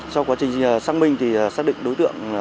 sau quá trình xác minh thì xác định đối tượng